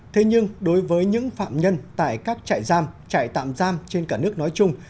thế nhưng đối với những phạm nhân tại các trại giam trại tạm giam trên cả nước nói chung